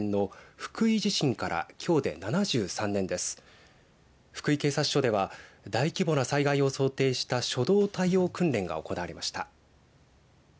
福井警察署では大規模な災害を想定した初動対応訓練が行われました。